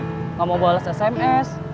tidak mau menjawab sms